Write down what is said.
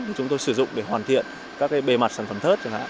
thì chúng tôi sử dụng để hoàn thiện các cái bề mặt sản phẩm thớt